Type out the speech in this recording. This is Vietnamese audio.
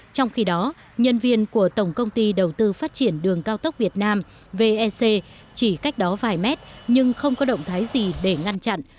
trong khi đó nhân viên của tổng công ty đầu tư phát triển đường cao tốc việt nam vec chỉ cách đó vài mét nhưng không có động thái gì để ngăn chặn